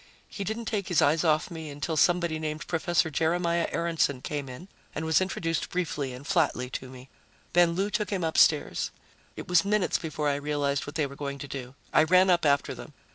He didn't take his eyes off me until somebody named Prof. Jeremiah Aaronson came in and was introduced briefly and flatly to me. Then Lou took him upstairs. It was minutes before I realized what they were going to do. I ran up after them.